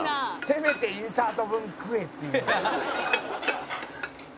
「せめてインサート分食えっていう」